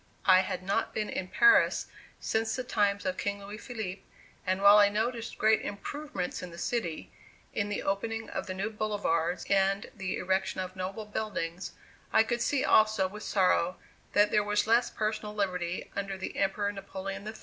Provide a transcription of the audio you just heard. I had not been in Paris since the times of King Louis Philippe, and while I noticed great improvements in the city, in the opening of the new boulevards and the erection of noble buildings, I could see also with sorrow that there was less personal liberty under the Emperor Napoleon III.